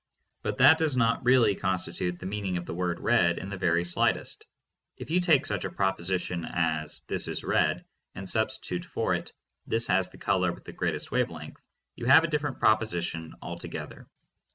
But that does not really constitute the meaning of the word "red" in the very slightest. If you take such a proposition as "This is red" and substitute for it "This has the color with the greatest wave length," you have a different proposition altogether.